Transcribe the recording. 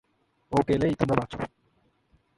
ও গেলেই তোমরা বাঁচ ।